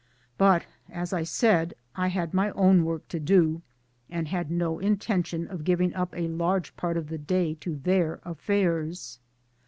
But, as I said, I had my own work to do, and had no intention of giving up a large part of the day to their affairs.